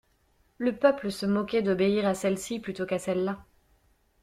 Le peuple se moquait d'obéir à celle-ci plutôt qu'à celle-là.